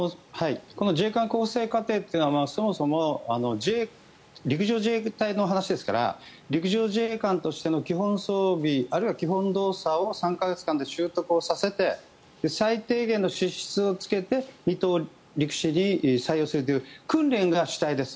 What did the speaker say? この自衛官候補生過程というのはそもそも陸上自衛隊の話ですから陸上自衛官としての基本装備あるいは基本動作を３か月間で習得させて最低限の資質をつけて２等陸士に採用するという訓練が主体です。